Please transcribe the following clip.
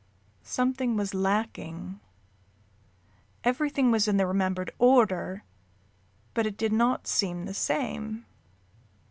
Something was lacking. Everything was in the remembered order, but it did not seem the same.